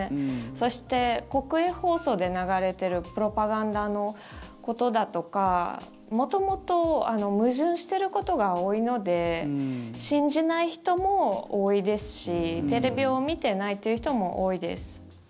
そして、国営放送で流れてるプロパガンダのことだとか元々、矛盾してることが多いので信じない人も多いですしテレビを見てないという人も多いです。